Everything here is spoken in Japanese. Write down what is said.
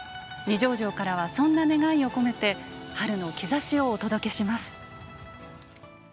二条城からはそんな願いを込めて「春の兆し」をお届けします。